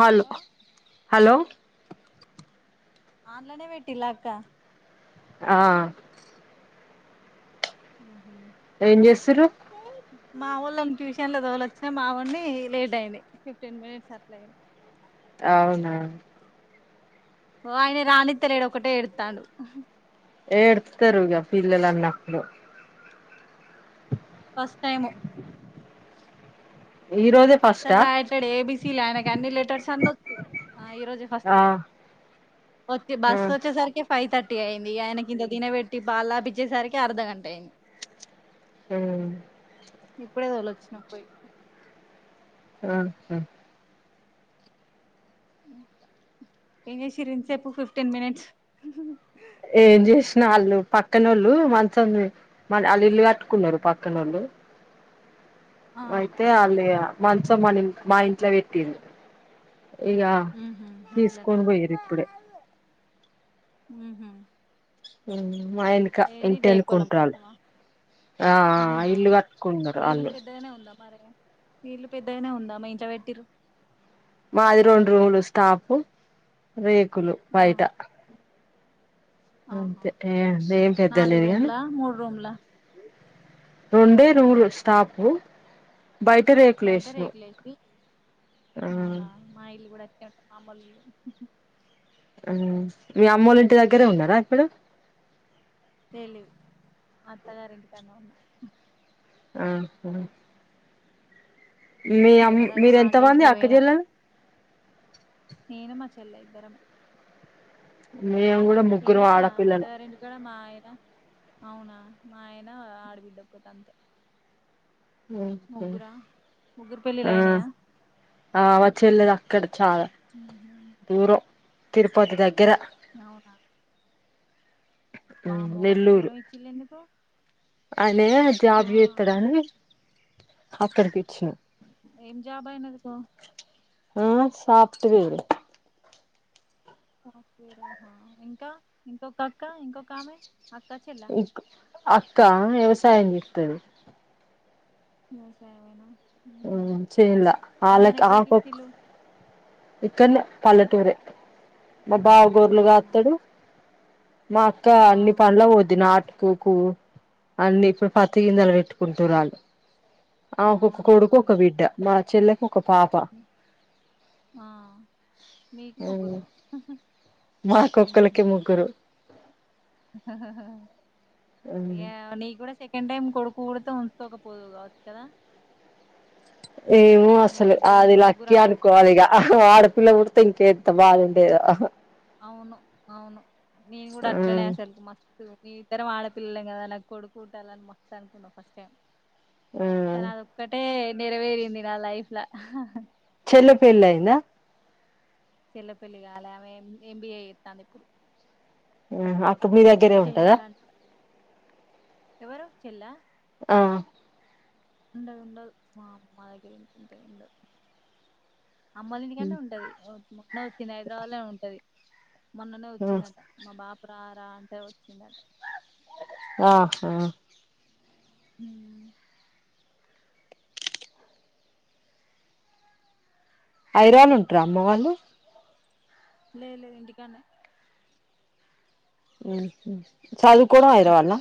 Hello hello ఆన్లైనే పెట్టిల్లా అక్క ఆ ఉహు ఏం చేస్తూర్రు మావోళ్ళని ట్యూషన్ లో తొలోచ్చినా మా వొన్ని లేట్ అయింది ఫిఫ్టీన్ మినిట్స్ అట్లాయింది అవునా ఓ ఆయన రానిత్తలేదు ఒకటే ఎడుతాండు ఎడుత్తారు ఇగ పిల్లల అన్నప్పుడు ఫస్ట్ టైము ఈ రోజే ఫస్టా అస్సలు రాయట్లేడు ఏబీసీ ఆయనకి అన్ని లెటర్స్ అన్ని వత్తయి ఆ ఈరోజు ఆ ఫస్తు ఒచ్చి ఆ బస్ వచ్చే సరికే ఫైవ్ థర్టీ అయింది ఆయనకింత తినబెట్టి పాలు తాపించేసరికే అర్ధగంట అయింది ఊ ఇప్పుడే వదిలి వచ్చిన పోయి ఆ ఏం చేసిర్రు ఇంతసేపు ఫిఫ్టీన్ మినిట్స్ ఏం చేసినా వాళ్ళు పక్కనోళ్ళు మంచం మ ఆళ్ళు ఇల్లు కట్టుకున్నారు పక్కనోళ్ళు అయితే ఆళ్ళిగ మంచం మనం మా ఇంట్లో పెట్టింది ఇగ ఊహు అట్లనా తీసుకొని పోయిరు ఇప్పుడే ఉహు ఉ ఆయన్ ఏది డేకులమమ్మ ఆ అవునా ఇల్లు కట్టుకున్నారు ని ఇల్లు వాళ్ళు పెద్దగానే ఉందా మరి ని ఇల్లు పెద్దగనే ఉందా మీ ఇంట్లో పెట్టిరు మాది రెండు రూములు స్టాపు రేకులు ఆ బయట ఆహా అంతే ఏ ఏం పెద్ద నాలుగు లేదు గాని రూమ్లా మూడు రూమ్లా రొండే రూలు స్టాపు బయట రేకులు బయట యేసినవ్ అవునా మా ఇల్లు కూడా అట్లే ఉంటుంది మామోళ్ళ ఇల్లు మ్ మీ అమ్మోళ్ళ ఇంటి దగ్గరే ఉన్నారా ఇప్పుడు తెలీదు అత్తగారి ఇంటికన్నే ఉన్న ఆహా మీ అమ్ మొన్న దాకా మీరెంత హాలిడేస్ మంది లో అక్క పోయినా చెల్లెలు నేను మా చెల్లె ఇద్దరమే మేము కూడా ముగ్గురం ఆడపిల్లలు ఇక్కడ మా ఆయన అవునా మా ఆయన ఆడబిడ్డ ఒక్కతి అంతే మ్ ముగ్గురా ముగ్గురు పెళ్ళిళ్ళు హు అయినాయా ఆ వాల్ చెల్లేద్ అక్కడ్ చాలా దూరం తిరుపతి దగ్గర అవునా మ్ వామ్మో గంత నెల్లూరు దూరం ఇచ్చిళ్ళు ఎందుకు అయినే జాబ్ ఆ చేత్తడని అక్కడికిచ్చినం ఏం జాబ్ అయినదికో ఆ సాఫ్ట్వేరు సాఫ్టవేర అహా ఇంకా ఇంకొక అక్క ఇంకొక ఆమె అక్క చెల్లా ఇ అక్క వ్యవసాయం చేత్తది వ్యవసాయమైనా మ్మ్ చేన్ల ఆమేను ఆళ్ళకి ఆకొక్ ఎక్కడికిచ్చిళు ఇక్కన్నే పల్లెటూరే మా బావగోర్రు అవునా కాత్తడు మా అక్క ఆ అన్ని పనులకు పోద్ది నాటు కోకు అన్ని ఇప్పుడు పత్త గింజలు పెట్టుకుంటురాళ్ళు ఆమేకు ఒక్క అవునా కొడుకు ఒక ఇగ బిడ్డ మా చెల్లెకు ఒక పాప ఆ మీకు ముగ్గురు మాకు ఉహు ఒక్కలీకి ముగ్గురు మ్మ్ ఇగ నీకూడా చేక్ కండ్ టైం కొడుకు పూడుతే ఉంచుకోకపోదు కావచ్చు కదా ఏమొ ఇగ అసలు మీరిద్దరు అది మీరు ముగ్గురు లక్కి అనుకోవాలి ఆడపిల్లలు ఇగ ఆడపిల్ల పుడితే ఇంకేంత బాధండేదో అవును అవును నేను కూడా అట్లనే మ్మ్ అసలుకి మ మీము ఇద్దరం ఆడపిల్లలమే కదా నాకు కొడుకుట్టాలని మస్తు అనుకున్నాం ఫస్ట్ టైం మ్మ్ కాని అది ఒక్కటే నెరవేరింది నా లైఫ్ల చెళ్ళే పెళ్ళి అఇందా చెళ్ళే పెళ్లి కాలే ఆమె ఎంబీఏ చేతంది ఇప్పుడు మ్ అత్త మీ దగ్ చెయాలంట ఎవరు చెల్ల ఆ ఉండదు ఉండదు మా మ దగ్గర ఎందుకుంటది ఉండదు అమ్మోలింటికన్నే ఉంటది మొన్ననే వచ్చింది హైదరాబాద్ లోనే ఉంటది మొన్ననే వచ్చిందట ఆ మా బాపు రారా అంటే వచ్చిందట అహ మ్ హైదరాబాద్ లనే ఉంటారా అమ్మ వాళ్ళు లేదు లేదు ఇంటికాన్నే మ్ చదువుకోవడం హైదరాబాద్ లన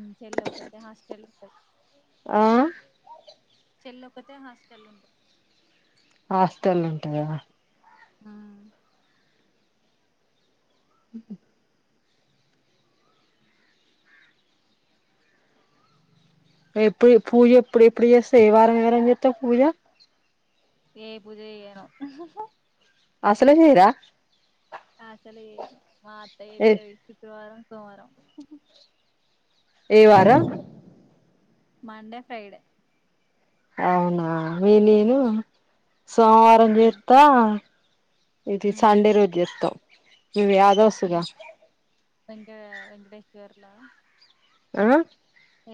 మ్ చెళ్ళే ఒక్కతే హాస్టళ్ళ ఉంటది ఆ చెళ్ళే ఒక్కతే హాస్టళ్ళ ఉంటది హాస్టలుంటాయా ఆ ఉ ఉ ఎప్పు ఎప్పు పూజ ఎప్పుడు ఎప్పుడు చేస్తా ఏ వారం వారం చేత్తవ్ పూజ ఏ పూజ చేయను అస్సలు చేయరా అస్సలు చెయ్యను మా అత్త ఏ చెత్తది శుక్రవారం సోమవారం ఏ వారం మండే ఫ్రైడే అవునా మీ నేను సోమవారం ఉమ్, జెత్త ఇది ఉమ్, సండే రోజు జెత్తం ఇవ్వి ఆరో వెంక వెంకటేగర్ల ఆ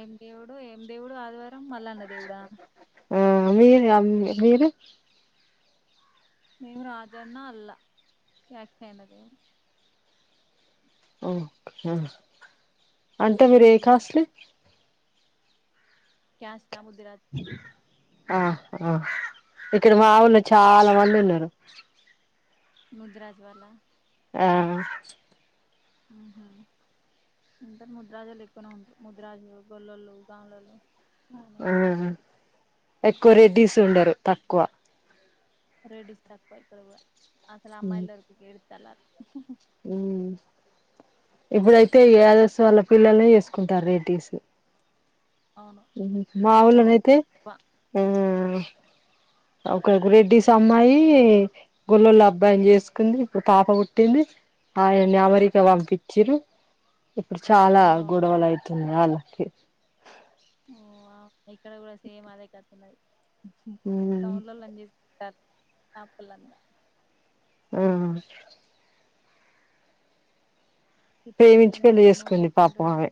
ఏం దేవుడు ఏం దేవుడు ఆదివారం మల్లన్న దేవుడా ఆ మీరు అమ్మి మీరు మేము రాజన్న అల్లా ఎక్ కైనదేవ్ ఒ య అంటే మీరు ఏ కాస్లీ క్యాస్టా ముద్దురాజ్ ఆ ఆ ఇక్కడ మా ఊళ్ళో చాలా మంది ఉన్నారు ముద్రాజ్ వాళ్ళ ఆ మ్ హు ఉంటారు ముద్రాజోళ్ళు ఎక్కువనే ఉంట్రు ముద్రాజు గొల్లలు గామ్ళొళ్ళు ఆ ఎక్కువ రెడ్డిస్ ఉండరు తక్కువ రెడ్డీస్ తక్కువ ఇక్కడ కూడ అస్సల అమ్మాయిలు దొరక ఎడుతల్లాల్ మ్ ఇప్పుడైతే యదస్ వాళ్ళ పిల్లల్నే చేసుకుంటారు రెడ్డిస్ అవును మా ఇక్కడ గౌడ్స్ ఊళ్ళోనయితే బా మ్ ఒక రెడ్డిస్ అమ్మాయి గొల్లళ్ళ అబ్బాయి చేసుకుంది ఇప్పుడు పాప పుట్టింది ఆయినామె ఇక ఉమ్ పంపించిరు ఇప్పుడు చాలా ఓ గొడవలు అయితున్నాయ్ ఆళ్ళకి ఓ ఇక్కడ కూడా సేమ్ అదే కతున్నది ఉమ్ తవుళోళ్ళని జేస్ టా ఆ పలన్నా హ్మ్ ఇప్పుడే ప్రేమించి ఇట్లుంది పెళ్లి ఇంకా ముందు ముందు చేసుకుంది పాపం ఎట్లుంటదో ఆమె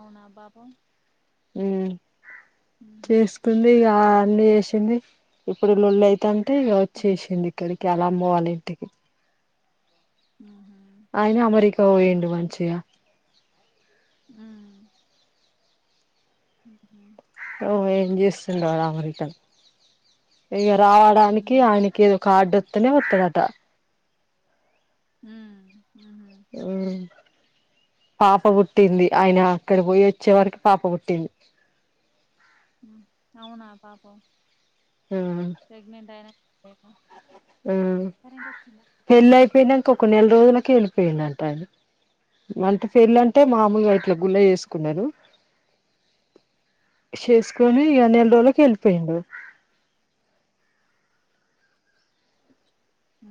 అవునా పాపం మ్ ఉహు చేసుకుంది ఇగ అన్నీ చేసింది ఇప్పుడు లొళ్ళి అయితాంటే హ్మ్. వచ్చేసింది ఇక్కడికి ఆలమ్మ వాళ ఇంటికి మ్ హు అయిన అమెరికా పోయిడి మంచిగ మ్ మ్ హు ఓ ఏం చేస్తున్నావ్ అమెరికాలో ఇంక రావ దానికి హ్మ్. ఆయనకి ఏదో ఒక కార్డు ఇత్తెనే వత్తడట మ్ మ్ హు మ్ పాప పుట్టింది ఆయన అక్కడ పోయి వచ్చే వరకి పాప పుట్టింది ఉ అవునా పాపం ప్రెగ్నెంట్ ఆయిన డేటా ఆ పెళ్ళి అయిపోయినంక ఒక నెల్ రోజులకే ఎళ్ళిపోయిందంట అంటే పెళ్ళంటే మామలుగ ఇట్లా గుల్ల చేసుకున్నరు. చేసుకోని ఇగా నెల రోజులకే ఎల్లిపోయిండు.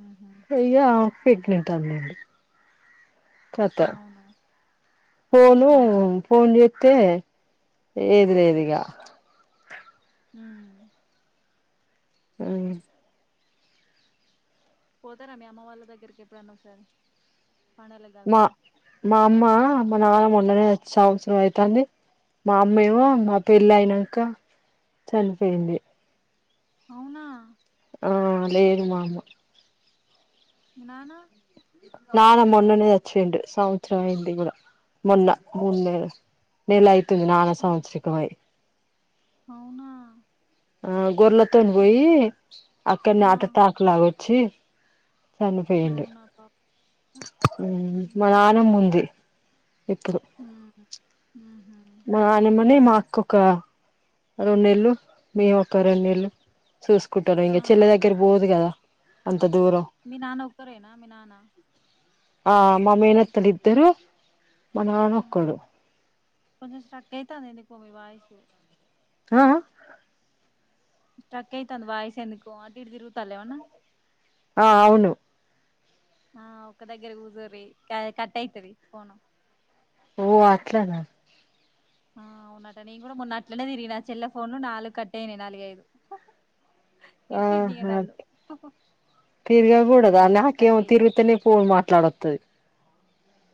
ఆహా పోయి ఇగా ప్రెగ్నెంట్ అన్నడు చతా అవునా! పోను హ్మ్. ఫోన్ జేత్తే ఏది లేదు ఇగా ఉ ఉ పోతరా మీ అమ్మ వాళ్ళ దగ్గరికి ఎప్పుడన్న ఒసారి? మా మా అమ్మ మా నాన్న మొన్ననే చి సంవత్సరం అయితంది. మా అమ్మమో మా పెళ్ళి అయినంకా చనిపోయింది. అవునా ఆ లేదు మా అమ్మ మీ నాన్న నాన్న మొన్ననే సచ్చిండు సంవత్సరం అయింది కూడ, మొన్న మున్నె నెల అయితుంది నాన్న సంవత్సరిక మై అవునా ఆ గోర్లతోన్ బోయి అక్కడ్నే ఆ! హార్ట్ ఎటాక్ లాగ వచ్చి చనిపోయిండు అవునా బ మా నాన్నమ్మ ఉంది ఇప్పుడు ఉహు ఉహూ నాన్నమ్మనే మాకొక రోన్నేళ్లు మేమొక రోన్నేళ్లు సుస్కుంటరు ఇంగ ఆ! చెల్లి దగ్గరి పోదు కదా అంత దూరం. మీ నాన్న ఒక్కరేనా మీ నాన్న? ఆ మామేనత్తలు ఇద్దరు మా నాన్న ఒక్కడు కొంచం స్ట్రక్ అయితాంది ఎందుకో మీ వాయిసు ఆ ఆ స్ట్రక్ అయితాంది వాయిస్ ఎందుకో అటు ఇటు తిరుగుతాళ్ల ఏమన్న ఆ అవును ఆ ఒక్క దగ్గర కూచోరి క కట్ అయితది ఫోను ఓ అట్లన ఆ అవునట నేన్ కూడ మొన్న అట్లనే తిరిగినా చెల్లాయ్ ఫోన్ లో నాలుగు కట్టాయినయి నాలుగైదు తిట్టింది ఇగ నన్ను తిరిగకూడదా అందుకే స్ట్రక్ నాకేమో అయితా తిరుగుతనే ఫోన్ మాట్లాడొతది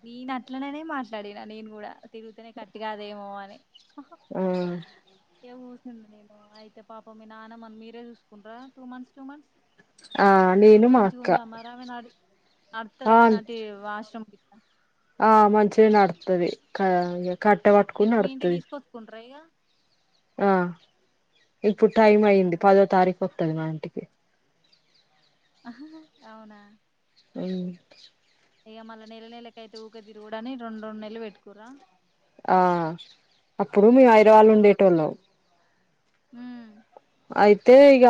నేను అట్లననే మాట్లాడిన నేను కూడ తిరుగుతనే కట్ కాదేమో అని ఆ ఏ వుస్నింది నేను అయితే పాపం మీ నాన్నమ్మని మీరే చూసుకుంట్రా టూ మంత్స్ టూ మంత్స్ ఆ నేను మా అక్క మంచిగుంద మర్ ఆమె నడ్ ఆ అడ్తదా నటి వాష్రూమ్ కిట్ట ఆ మంచిగ నడుతుది కా య మీ మీ ఇంటి తీసుకొచ్కుంట్ర ఇగా ఆ ఇప్పుడు టైం ఆహా అయ్యింది పదో తారీఖు వతది మా ఇంటికి ఆ అవునా ఉ ఇగ మళ్ళ నెల నెలకయితే ఊక తిరుగుడని రెండు రెండు నెల్లు పెట్టుకురా ఆ అప్పుడు మీ ఐరవాళ్ళు ఉండేటోళ్ హ అయితే ఇగ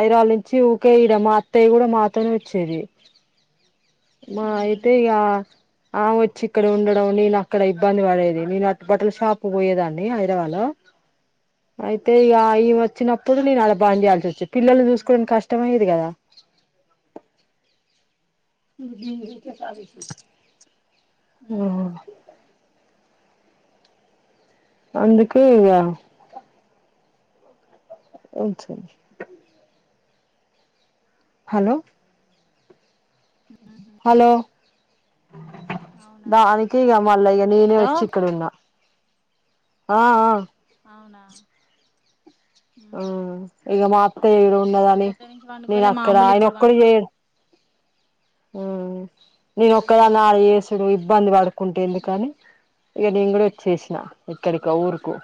ఐదరాళ్ళ నుంచి ఊకే ఈడ మా అత్తయ్య కూడా మాతోనే వచ్చేది మా ఉహు అయితే ఇగ ఆ వచ్చి ఇక్కడ ఉండడం నేను అక్కడ ఇబ్బంది పడేది నేను అ బట్టల షాప్ పోయేదాన్ని హైదరాబాద్లో అయితే ఇగ ఈమె వచ్చినప్పుడు నేను అలా బాంద్ జేయాల్సి వచ్చి పిల్లలు చూసుకో కష్టమయ్యేది కదా ఉమ్ అందుకే అ చె హలో ఉహు హలో అవునా దానికి ఇగ మళ్ళ ఇయ్య నేనే హలో వచ్చి ఇక్కడ ఉన్నా ఆ ఆ అవునా ఉహు ఉమ్ ఇగ మా అత్త ఏడు ఉన్నదని పొద్దు నుంచి నేను పండుకోలే అక్కడ మామూలు ఆయన ఇప్పుడు ఒక్కడ్ పండుకుంది చేయడు ఊ నేను ఉహు ఒక్కదాన్నా చేసి ఇడు ఇబ్బంది పడుకుంటే ఎందుకని ఇగ నేను కూడా వచ్చేసిన ఇక్కడికి ఊరుకు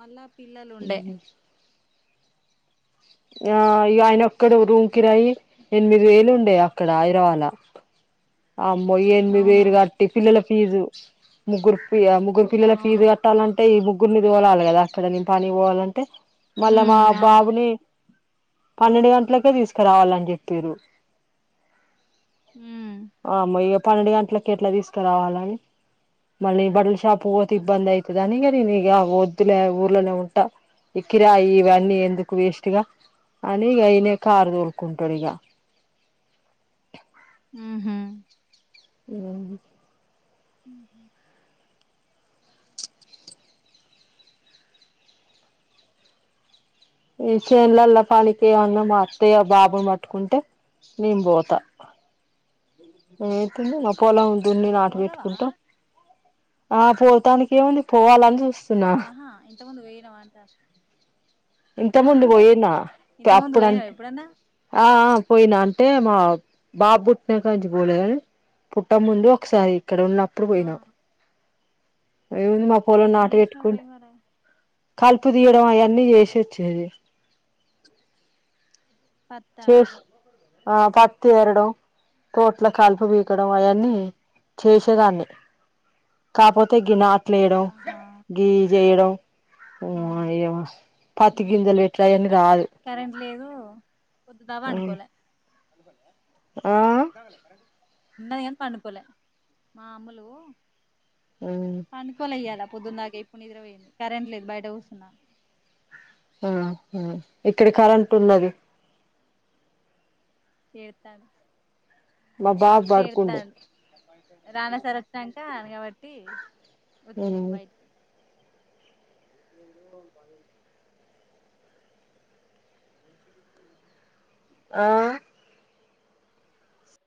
మళ్ళా పిల్లలు ఉండే ఆ ఆయన అక్కడ రూమ్ కిరాయి ఎనిమిది వేలు ఉండేయి అక్కడ ఆఐరవాల అమ్మో ఎనిమిది అవునా వేరు కాదు టిఫినుల ఫీజు ముగ్గురు ముగ్గురు పిల్లల ఫీజు అవును క పెట్టాలంటే ఈ ముగ్గురుని దోలాల కదా అక్కడ నే పని పోవాలంటే మళ్ళా మా ఉమ్ అవును బాబుని పన్నెండు గంటలకే తీసుకురావాలని జెప్పిరు ఉ అమ్మో ఇ పన్నెండు గంటలకు ఎట్లా తీసుకురావాలని మళ్ళీ బడ్ల షాపు పోతే ఇబ్బంది అయి దానిగా నక వద్దులే ఊర్లోనే ఉంటా ఇకిరాయి ఇవన్నీ ఎందుకు వేస్ట్గా అని ఇగ యినే కారు దోలుకుంటాడు ఇగ ఉహు ఆ హ ఈ చేన్లల్ల పానికి అన్న మా అత్తయ్య బాబుని పట్టుకుంటే నేను పోతా నేవుతుంది నా పోలం దూన్ని నాటు పోదవా పెట్టుకుంటాం ఆ పోతానికి ఏముంది పోవాలని చూస్తున్నా ఆ ఇంతకు ముందు వేయినావ అంట ఇంత ఆహ ముందు పోయినా ఇంత ముందు వైనా అప్పుడంటే ఇప్పుడన్న ఆ ఆ పోయిన అంటే మా బా బుట్నంక పోలే గాని పుట్ట ముందు ఒకసారి ఇక్కడ ఉన్నప్పుడు ఆ పోయినా మా పొలం ఏం నాటు చేసినవ్ పెట్టుకుం పోయి మరి కలుపు తీయడం అవన్నీ చేసే చేది పత్త ఆ పత్తి ఏరడం తోట్ల కాలుపు పీకడం అయన్నీ చేసేదాన్ని కాపోతే గి నాట్లు వేయడం ఆహా గి జేయడం ఓ ఆ యమ్మ పత్తి ఉమ్ గింజలు అట్ల అని రాదు కరెంట్ లేదు పొద్దదావా అనుకోలే ఆ ఉన్నది కాని పండుకోలే మా అమ్ములు హ్ పండుకోలే ఇయ్యాల పొద్దుందాక ఇప్పుడు నిద్ర పోయింది, కరెంట్ లేదు బయట కూసున్న. ఆహా ఇక్కడ కరెంట్ ఉన్నది. ఏడ్తండు మా బాబు మస్త్ పడుకుండు ఏడుత్తాండు. రానా సార్ వత్తాంట అనగబట్టి వచ్చినయి బయటికి. [unintelligible] పది. ఆ.